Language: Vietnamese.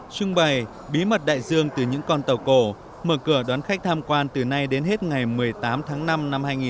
trưng bày bí mật đại dương từ những con tàu cổ mở cửa đón khách tham quan từ nay đến hết ngày một mươi tám tháng năm năm hai nghìn hai mươi